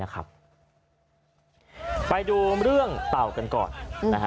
ไปดูเรื่องเต่ากันก่อน